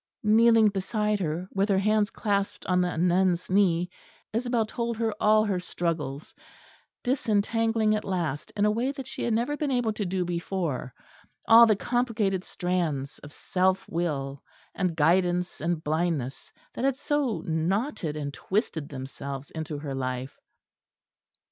Kneeling beside her with her hands clasped on the nun's knee, Isabel told her all her struggles; disentangling at last in a way that she had never been able to do before, all the complicated strands of self will and guidance and blindness that had so knotted and twisted themselves into her life.